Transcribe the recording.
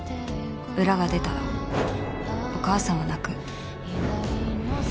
裏が出たらお母さんは泣く